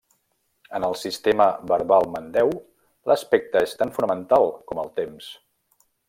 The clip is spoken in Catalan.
En el sistema verbal mandeu, l'aspecte és tan fonamental com el temps.